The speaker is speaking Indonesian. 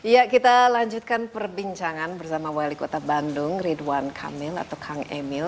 ya kita lanjutkan perbincangan bersama wali kota bandung ridwan kamil atau kang emil